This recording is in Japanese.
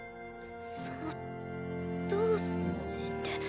そのどうして。